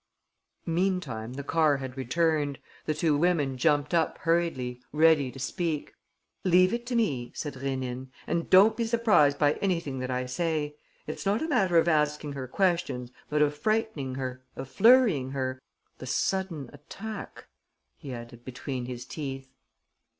Meantime the car had returned. The two women jumped up hurriedly, ready to speak. "Leave it to me," said Rénine, "and don't be surprised by anything that I say. It's not a matter of asking her questions but of frightening her, of flurrying her.... The sudden attack," he added between his teeth.